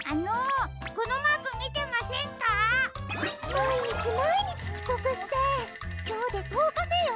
まいにちまいにちちこくしてきょうでとおかめよ。